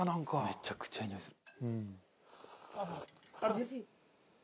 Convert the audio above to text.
めちゃくちゃいいにおいする。